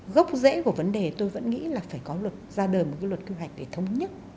gốc rễ của vấn đề tôi vẫn nghĩ là phải có luật ra đời một cái luật quy hoạch để thống nhất